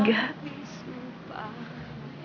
dan kita bertiga